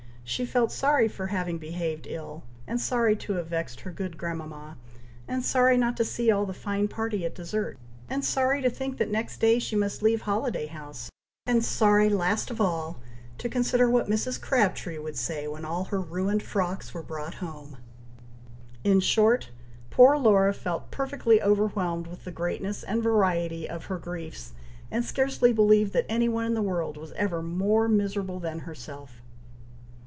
She felt sorry for having behaved ill, and sorry to have vexed her good grandmama; and sorry not to see all the fine party at dessert; and sorry to think that next day she must leave Holiday House; and sorry, last of all, to consider what Mrs. Crabtree would say when all her ruined frocks were brought home. In short, poor Laura felt perfectly overwhelmed with the greatness and variety of her griefs, and scarcely believed that any one in the world was ever more miserable than herself.